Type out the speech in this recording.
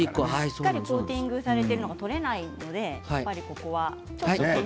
しっかりコーティングされているのが取れないのでここはちょっと。